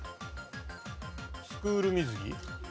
スクール水着？